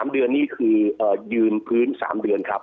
๓เดือนนี่คือยืนพื้น๓เดือนครับ